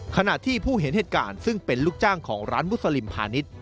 ขณะที่ผู้เห็นเหตุการณ์ซึ่งเป็นลูกจ้างของร้านมุสลิมพาณิชย์